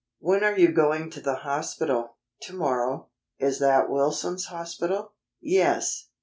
"When are you going to the hospital?" "To morrow." "Is that Wilson's hospital?" "Yes."